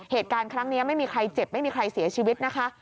เหตุการณ์ครั้งนี้ไม่มีใครเจ็บไม่มีใครเสียชีวิตนะคะ